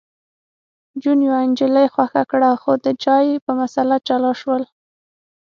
جون یوه نجلۍ خوښه کړه خو د چای په مسله جلا شول